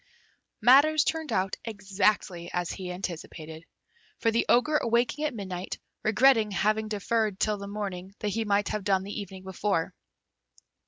Matters turned out exactly as he anticipated, for the Ogre awaking at midnight, regretted having deferred till the morning what he might have done the evening before.